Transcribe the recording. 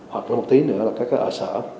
hoặc là một tí nữa là cái ở sở